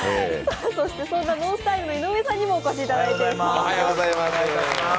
そんなＮＯＮＳＴＹＬＥの井上さんにもお越しいただいてます。